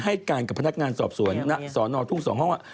ให้การกับพนักงานสอบสวนสอนอทุ่ง๒ห้องว่า